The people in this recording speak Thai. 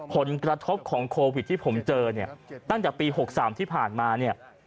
ผลกระทบของโควิดที่ผมเจอเนี่ยตั้งแต่ปี๖๓ที่ผ่านมาเนี่ย